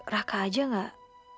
raka aja gak